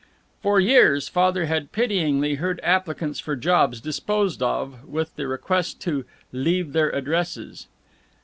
For years Father had pityingly heard applicants for jobs disposed of with the request to "leave their addresses."